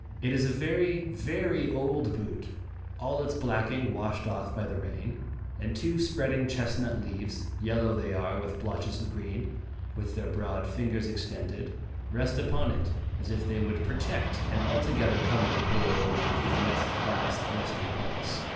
It is a very, very old boot, all its blacking washed off by the rain, and two spreading chestnut leaves, yellow they are with blotches of green, with their broad fingers extended, rest upon it, as if they would protect and altogether cover the poor old boot in its last resting place.